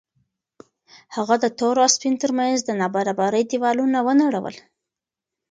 هغه د تور او سپین تر منځ د نابرابرۍ دېوالونه ونړول.